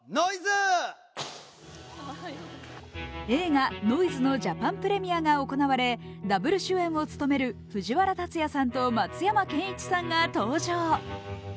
映画「ノイズ」のジャパンプレミアが行われダブル主演を務める藤原竜也さんと松山ケンイチさんが登場。